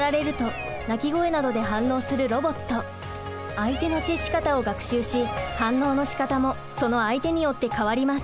相手の接し方を学習し反応のしかたもその相手によって変わります。